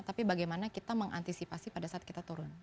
tapi bagaimana kita mengantisipasi pada saat kita turun